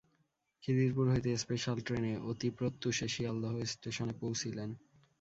খিদিরপুর হইতে স্পেশ্যাল ট্রেনে অতি প্রত্যূষে শিয়ালদহ স্টেশনে পৌঁছিলেন।